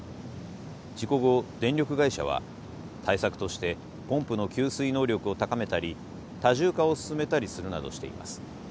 事故後電力会社は対策としてポンプの給水能力を高めたり多重化を進めたりするなどしています。